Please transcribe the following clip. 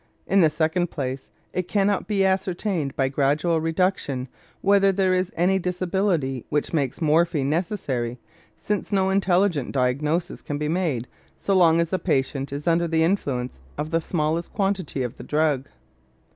In the second place, it cannot be ascertained by gradual reduction whether there is any disability which makes morphine necessary, since no intelligent diagnosis can be made so long as a patient is under the influence of the smallest quantity of the drug.